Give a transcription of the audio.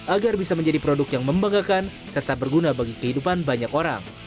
agar bisa menjadi produk yang membanggakan serta berguna bagi kehidupan banyak orang